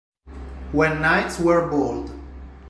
When Knights Were Bold